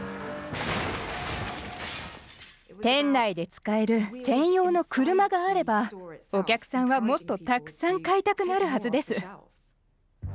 店内で使える専用の車があればお客さんはもっとたくさん買いたくなるはずです。